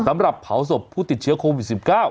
สำหรับเผาศพผู้ติดเชื้อโควิด๑๙